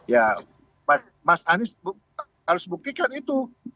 ya mas anies harus buktikan itu